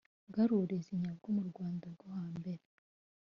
Bwari uburezi nyabwo mu rwanda rwo hambere